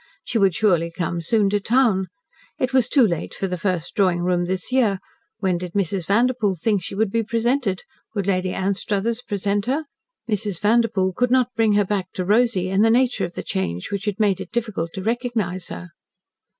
She would surely come soon to town. It was too late for the first Drawing room this year. When did Mrs. Vanderpoel think she would be presented? Would Lady Anstruthers present her? Mrs. Vanderpoel could not bring her back to Rosy, and the nature of the change which had made it difficult to recognise her.